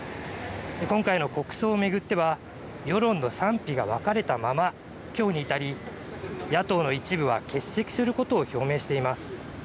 今回の国葬を巡っては世論の賛否が分かれたままきょうに至り野党の一部は欠席することを表明しています。